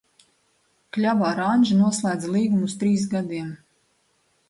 "Kļava ar "Anži" noslēdza līgumu uz trīs gadiem."